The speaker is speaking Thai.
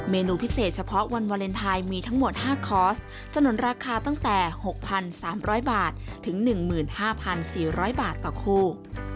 นูพิเศษเฉพาะวันวาเลนไทยมีทั้งหมด๕คอร์สสนุนราคาตั้งแต่๖๓๐๐บาทถึง๑๕๔๐๐บาทต่อคู่